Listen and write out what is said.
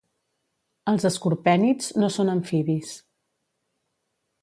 Els escorpènids no són amfibis.